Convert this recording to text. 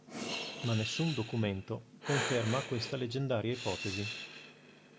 Ma nessun documento conferma questa leggendaria ipotesi.